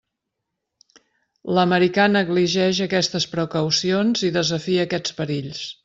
L'americà negligeix aquestes precaucions i desafia aquests perills.